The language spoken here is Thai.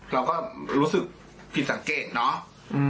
เราก็รู้สึกผิดสังเกตเนาะ